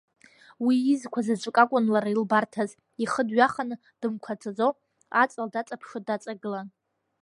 Уи изқәа заҵәык акәын лара илбарҭаз, ихы дҩаханы, дымқәацаӡо, аҵла даҵаԥшуа даҵагылан.